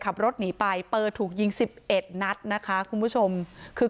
ขับรถหนีไปเปอร์ถูกยิงสิบเอ็ดนัดนะคะคุณผู้ชมคือ